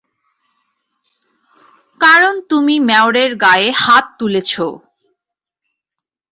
কারণ তুমি মেয়রের গায়ে হাত তুলেছো।